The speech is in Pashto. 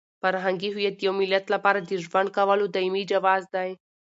فرهنګي هویت د یو ملت لپاره د ژوند کولو دایمي جواز دی.